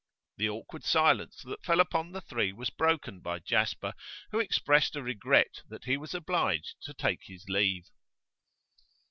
The awkward silence that fell upon the three was broken by Jasper, who expressed a regret that he was obliged to take his leave.